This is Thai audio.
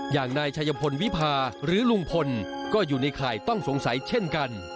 อย่างนายชัยพลวิพาหรือลุงพลก็อยู่ในข่ายต้องสงสัยเช่นกัน